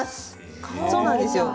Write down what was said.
そうなんですよ。